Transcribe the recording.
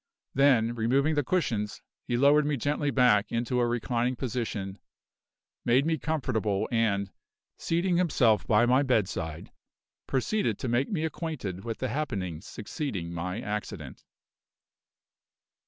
Then, removing the cushions, he lowered me gently back into a reclining position, made me comfortable and, seating himself by my bedside, proceeded to make me acquainted with the happenings succeeding my accident.